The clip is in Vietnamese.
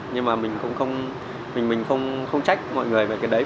nhưng mà mình không trách mọi người về cái đấy